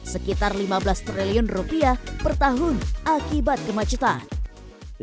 sekitar lima belas triliun rupiah per tahun akibat kemacetan